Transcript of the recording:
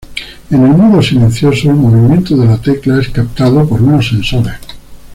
En el modo silencioso, el movimiento de las teclas es captado por unos sensores.